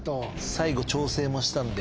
最後調整もしたんで。